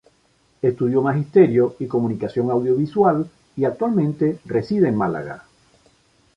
Estudió magisterio y comunicación audiovisual y actualmente reside en Málaga.